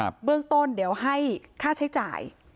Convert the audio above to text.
เบื้องต้นเดี๋ยวให้ค่าใช้จ่าย